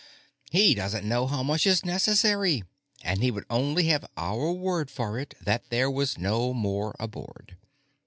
"He doesn't know how much is necessary, and he would only have our word for it that there was no more aboard.